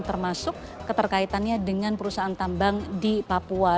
termasuk keterkaitannya dengan perusahaan tambang di papua